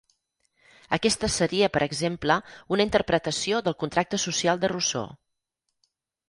Aquesta seria, per exemple, una interpretació del "Contracte social" de Rousseau.